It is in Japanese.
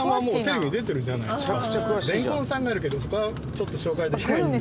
れんこんさんがあるけどそこはちょっと紹介できないんで。